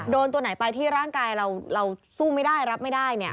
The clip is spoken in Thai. โดนตัวไหนไปที่ร่างกายเราสู้ไม่ได้รับไม่ได้